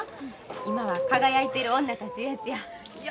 今は「輝いている女達」いうやつや。